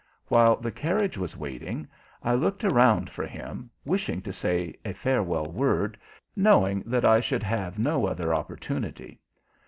While the carriage was waiting, I looked around for him, wishing to say a farewell word, knowing that I should have no other opportunity.